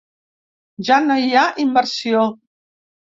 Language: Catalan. Ja no hi ha inversió.